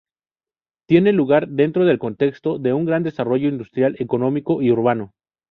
Tiene lugar dentro del contexto de un gran desarrollo industrial, económico y urbano.